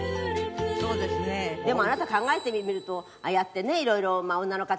「そうですね」でもあなた考えてみるとああやってね